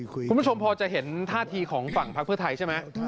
คุณผู้ชมพอจะเห็นท่าทีของฝั่งพักเพื่อไทยใช่ไหม